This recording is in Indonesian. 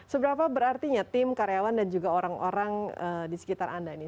seberapa berartinya tim karyawan dan juga orang orang di sekitar anda ini